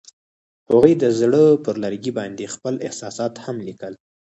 هغوی د زړه پر لرګي باندې خپل احساسات هم لیکل.